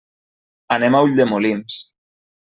Anem a Ulldemolins.